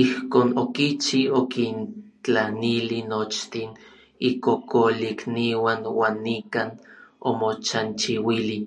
Ijkon okichi, okintlanili nochtin ikokolikniuan uan nikan omochanchiuili.